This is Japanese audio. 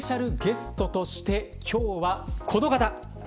さらに、スペシャルゲストとして今日はこの方。